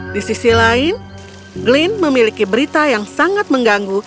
di sisi lain glenn memiliki berita yang sangat mengganggu